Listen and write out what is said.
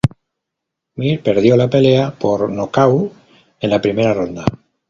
Mir perdió la pelea por nocaut en la primera ronda.